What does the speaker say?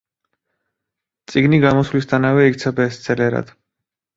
წიგნი გამოსვლისთანავე იქცა ბესტსელერად.